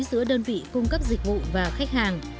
giữa đơn vị cung cấp dịch vụ và khách hàng